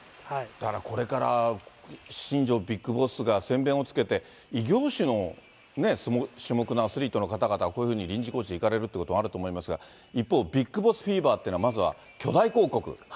だから、これから、新庄ビッグボスがをつけて異業種の種目のアスリートの方々が臨時コーチでいかれるということもあると思いますが、一方、ビッグボスフィーバーというのは、まずは巨大広告。